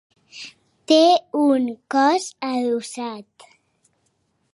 Té un cos adossat.